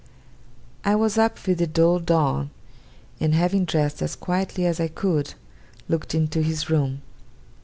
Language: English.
I was up with the dull dawn, and, having dressed as quietly as I could, looked into his room.